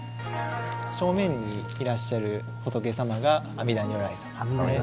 正面にいらっしゃる仏様が阿弥陀如来様。